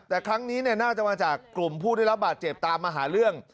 แต่ครั้งนี้น่าจะมาจากกลุ่มผู้ได้รับบาดเจ็บตามมาหาเรื่อง